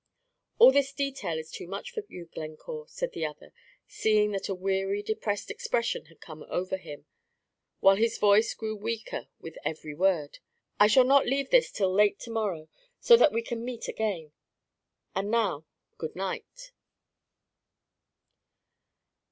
"All this detail is too much for you, Glencore," said the other, seeing that a weary, depressed expression had come over him, while his voice grew weaker with every word. "I shall not leave this till late to morrow, so that we can meet again. And now good night."